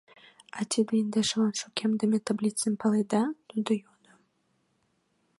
— А те индешылан шукемдыме таблицым паледа? — тудо йодо.